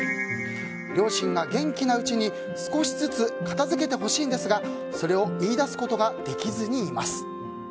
両親が元気なうちに少しずつ片づけてほしいんですがそれを言い出すことができずにいます。